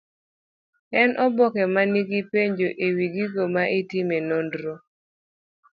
En oboke man gi penjo ewi gigo ma itime nonro.